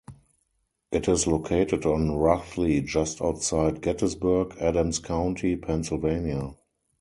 It is located on roughly just outside Gettysburg, Adams County, Pennsylvania.